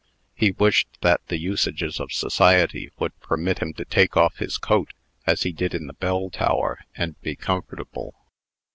He wished that the usages of society would permit him to take off his coat, as he did in the bell tower, and be comfortable.